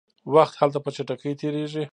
وخت هلته په چټکۍ تیریږي.